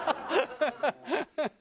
ハハハハ！